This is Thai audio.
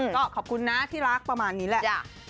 ก็ขอบคุณนะที่รักประมาณนี้แหละ